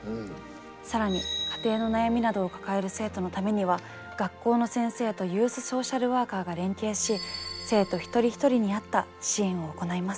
更に家庭の悩みなどを抱える生徒のためには学校の先生とユースソーシャルワーカーが連携し生徒一人ひとりにあった支援を行います。